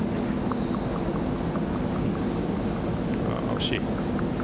惜しい。